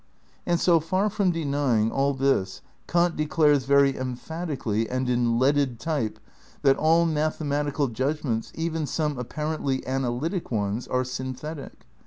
And so far from denying all this Kant declares, very emphatically and in leaded type, that aU mathematical judgments (even some apparently analytic ones) are synthetic.